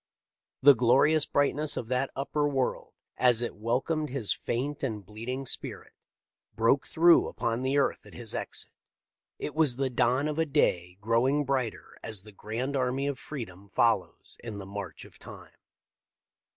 The glorious brightness of that upper, world, as it welcomed his faint and bleeding spirit, broke through upon the earth at his exit — it was the dawn of a day growing brighter as the grand army of freedom follows in the march of time.